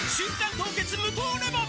凍結無糖レモン」